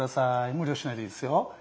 無理をしないでいいですよ。